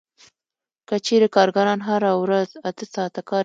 که چېرې کارګران هره ورځ اته ساعته کار وکړي